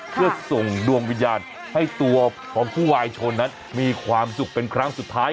เพื่อส่งดวงวิญญาณให้ตัวของผู้วายชนนั้นมีความสุขเป็นครั้งสุดท้าย